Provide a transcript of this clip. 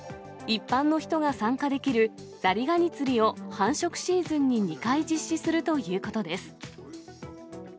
一般の人が参加できるザリガニ釣りを、繁殖シーズンに２回実施するということです。